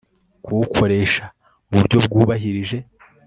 kuwukoresha mu buryo bwubahirije